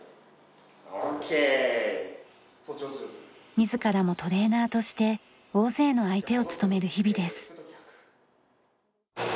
自らもトレーナーとして大勢の相手を務める日々です。